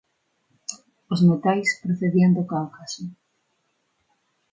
Os metais procedían do Cáucaso.